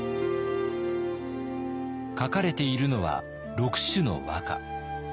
書かれているのは６首の和歌。